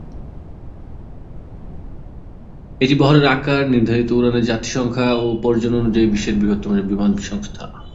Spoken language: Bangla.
এটি বহরের আকার, নির্ধারিত উড়ানের যাত্রী সংখ্যা ও উপার্জন অনুযায়ী বিশ্বের বৃহত্তম বিমান সংস্থা।